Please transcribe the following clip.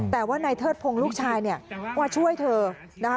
แต่ว่านายเทิดพงศ์ลูกชายเนี่ยมาช่วยเธอนะคะ